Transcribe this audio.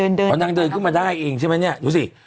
นางเดินขึ้นมาได้เองใช่มั้ยเนี่ยดูสิ